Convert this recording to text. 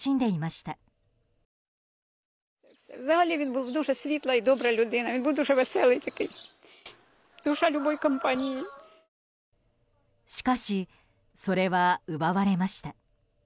しかし、それは奪われました。